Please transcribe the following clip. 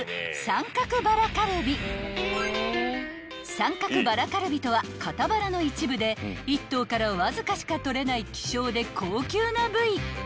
［三角バラカルビとは肩バラの一部で１頭からわずかしか取れない希少で高級な部位］